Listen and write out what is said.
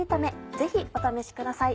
ぜひお試しください。